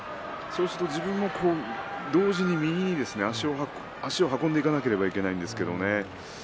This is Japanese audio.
自分も同時に右に足を運んでいかなくてはいけないんですけれどもね。